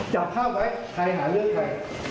จับภาพไว้ใครหาเรื่องใคร